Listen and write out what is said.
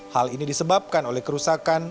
hal ini disebabkan oleh kerusakan